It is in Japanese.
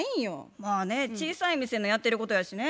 まあね小さい店のやってることやしね。